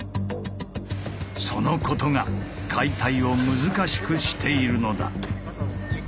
そのことが解体を難しくしているのだ。